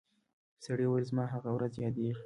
سړي وویل زما هغه ورځ یادیږي